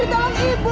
utari tolong ibu